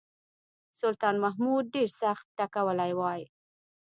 سلطان محمود ډېر سخت ټکولی وای.